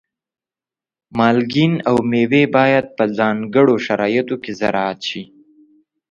مالګین او مېوې باید په ځانګړو شرایطو کې زراعت شي.